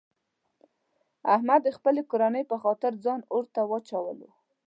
احمد د خپلې کورنۍ په خاطر ځان اورته واچولو.